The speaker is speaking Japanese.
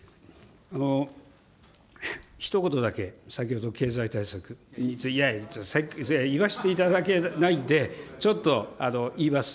ひと言だけ、先ほど、経済対策、言わしていただけないんで、ちょっと言います。